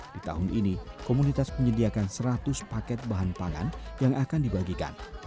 di tahun ini komunitas menyediakan seratus paket bahan pangan yang akan dibagikan